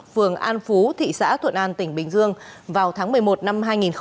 phường an phú thị xã thuận an tỉnh bình dương vào tháng một mươi một năm hai nghìn hai mươi ba